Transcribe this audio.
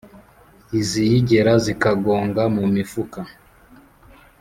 Iziyigera zikagonga mu mifuka.